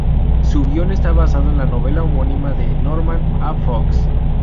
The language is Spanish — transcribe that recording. Su guion está basado en la novela homónima de Norman A. Fox.